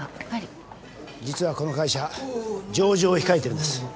実はこの会社上場を控えてるんです。